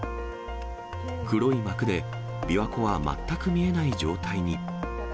黒い幕で琵琶湖は全く見えない状態に。